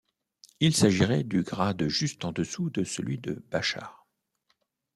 Il s’agirait du grade juste en dessous de celui de Bashar.